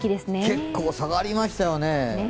結構、下がりましたよね。